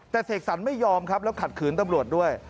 แต่เสกสรรไม่ยอมครับแล้วขัดขืนตำรวจด้วย